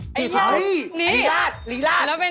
อันนี้อันนี้ลีลาดลีลาด